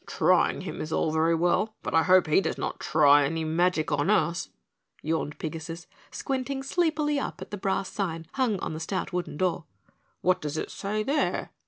"Trying him is all very well, but I hope he does not try any magic on us," yawned Pigasus, squinting sleepily up at the brass sign hung on the stout wooden door. "What does it say there?"